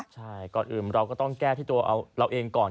ใช่ก่อนอื่นเราก็ต้องแก้ที่ตัวเราเองก่อน